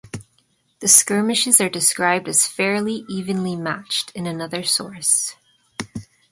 The skirmishes are described as fairly evenly matched in another source.